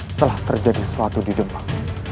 setelah terjadi sesuatu di demak